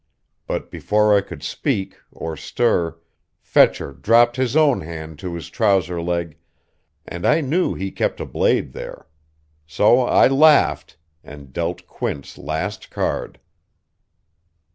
But before I could speak, or stir, Fetcher dropped his own hand to his trouser leg, and I knew he kept a blade there.... So I laughed, and dealt Quint's last card....